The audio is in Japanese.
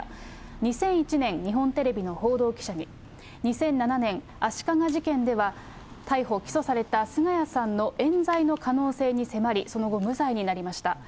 ２００１年、日本テレビの報道記者に、２００７年、足利事件では逮捕・起訴された菅家さんのえん罪の可能性に迫り、その後、無罪になりました。